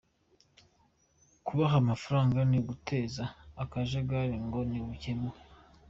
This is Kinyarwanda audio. Kubaha amafaranga ni uguteza akajagari, ngo ni n’ubuhemu.